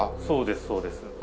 そうですそうです。